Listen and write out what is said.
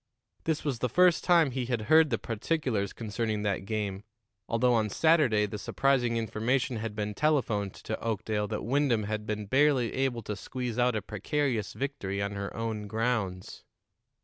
This was the first time he had heard the particulars concerning that game, although on Saturday the surprising information had been telephoned to Oakdale that Wyndham had been barely able to squeeze out a precarious victory on her own grounds.